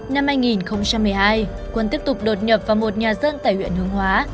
năm hai nghìn một mươi hai quân tiếp tục đột nhập vào một nhà dân tại huyện hướng hóa